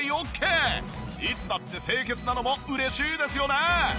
いつだって清潔なのも嬉しいですよね。